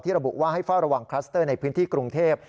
ระบุว่าให้เฝ้าระวังคลัสเตอร์ในพื้นที่กรุงเทพ